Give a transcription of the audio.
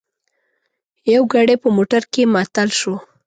یو ګړی په موټر کې معطل شوو.